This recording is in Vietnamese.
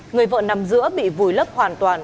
người vợ nằm giữa bị vùi lấp hoàn toàn